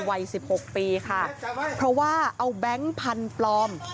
วัยสิบหกปีค่ะเพราะว่าเอาแบงค์พันธุ์ปลอม